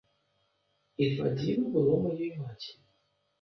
І два дзівы было маёй маці.